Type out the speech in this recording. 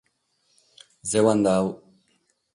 So andadu.